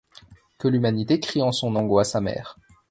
Que l'humanité crie en son angoisse amère